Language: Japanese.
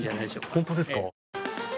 本当ですか？